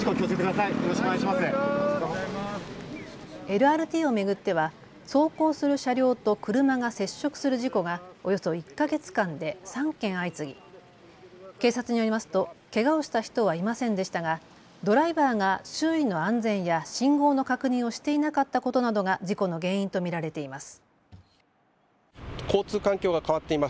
ＬＲＴを巡っては走行する車両と車が接触する事故がおよそ１か月間で３件、相次ぎ警察によりますとけがをした人はいませんでしたがドライバーが周囲の安全や信号の確認をしていなかったことなどが事故の原因と見られています。